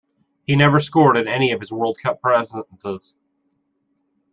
He never scored in any of his World Cup presences.